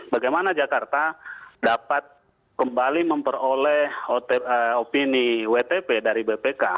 bagaimana jakarta dapat kembali memperoleh opini wtp dari bpk